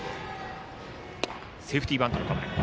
セーフティーバントの構え。